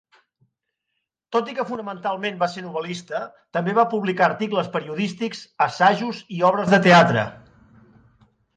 Tot i que fonamentalment va ser novel·lista, també va publicar articles periodístics, assajos i obres de teatre.